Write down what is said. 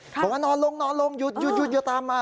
บอกว่านอนลงหยุดตามมา